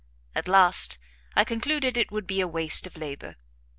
At last I concluded it would be a waste of labour.